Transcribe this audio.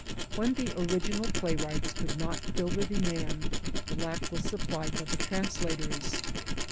When the original playwrights could not fill the demand, the lack was supplied by the translators.